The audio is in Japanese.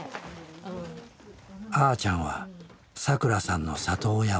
あーちゃんはさくらさんの里親を続ける。